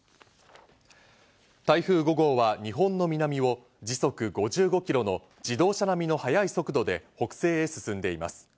台風５号は日本の南を時速５５キロの自動車並みの速い速度で北西へ進んでいます。